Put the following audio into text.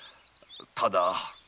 ただ。